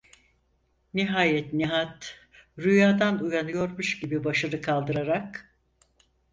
Nihayet Nihat rüyadan uyanıyormuş gibi başını kaldırarak: